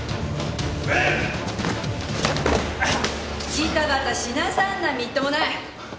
ジタバタしなさんなみっともない！